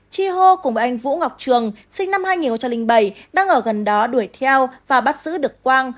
chi hô cùng anh vũ ngọc trường sinh năm hai nghìn bảy đang ở gần đó đuổi theo và bắt giữ được quang